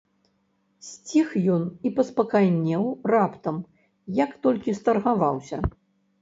Сціх ён і паспакайнеў раптам, як толькі старгаваўся.